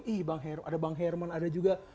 ih bang herman ada bang herman ada juga